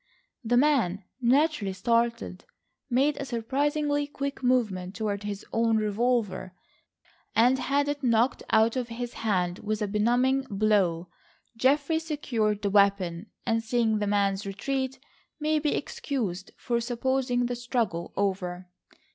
The man, naturally startled, made a surprisingly quick movement toward his own revolver, and had it knocked out of his hand with a benumbing blow. Geoffrey secured the weapon, and seeing the man's retreat, may be excused for supposing the struggle over.